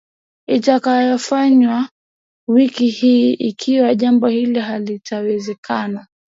itakayofanywa wiki hii Ikiwa jambo hilo halitawezekana